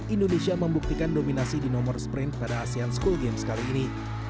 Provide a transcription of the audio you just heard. indonesia membuktikan dominasi di nomor sprint pada asean school games kali ini